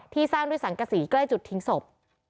สร้างด้วยสังกษีใกล้จุดทิ้งศพ